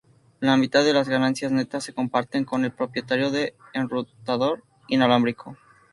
La mitad de las ganancias netas se comparten con el propietario del enrutador inalámbrico.